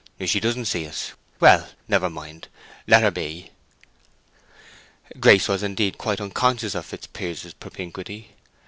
"She doesn't see us. Well, never mind: let her be." Grace was indeed quite unconscious of Fitzpiers's propinquity.